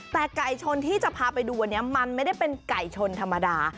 แต่ไก่ชนที่จะพาไปดูวันนี้มันไม่ได้เป็นไก่ชนธรรมดา